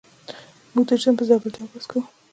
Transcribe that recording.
موږ د جسم په ځانګړتیاوو بحث کوو.